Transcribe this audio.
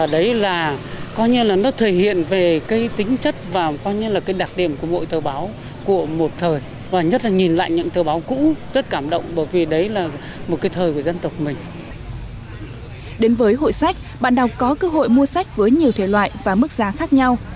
đến với hội sách bạn đọc có cơ hội mua sách với nhiều thể loại và mức giá khác nhau